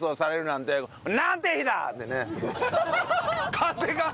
風が。